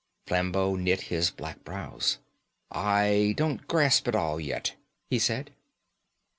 Flambeau knit his black brows. "I don't grasp it all yet," he said.